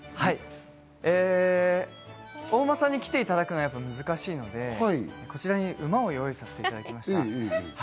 お馬さんに来ていただくのはやっぱり難しいので、こちらに馬を用意させていただきました。